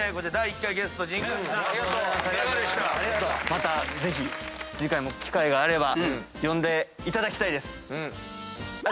またぜひ次回も機会があれば呼んでいただきたいです。